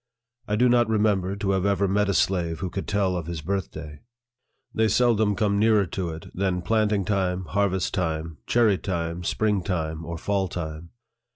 I do not remember to have ever met a slave who could tell of his birthday. They seldom come nearer to it than planting time, harvest time, cherry time, spring time, or fall time.